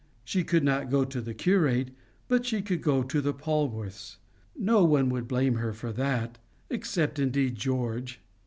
She could not go to the curate, but she could go to the Polwarths; no one would blame her for that except indeed George.